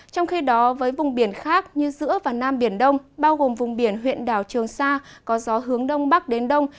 trong khi đó với vùng biển khác như giữa và nam biển đông bao gồm vùng biển huyện đảo trường sa có gió hướng đông bắc đến đông